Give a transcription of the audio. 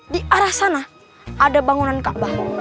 di arah sana ada bangunan kaabah